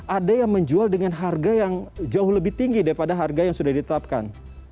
ada yang menjual dengan harga yang jauh lebih tinggi daripada harga yang sudah ditetapkan